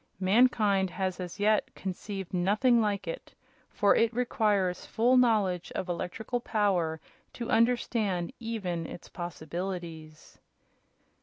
Mankind has as yet conceived nothing like it, for it requires full knowledge of electrical power to understand even its possibilities."